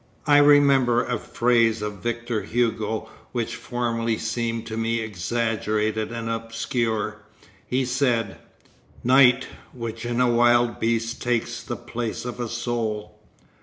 I remember a phrase of Victor Hugo which formerly seemed to me exaggerated and obscure; he said: "Night, which in a wild beast takes the place of a soul."